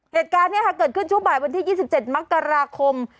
เหตุการณ์นี้เกิดขึ้นช่วงบ่ายวันที่๒๗มกราคม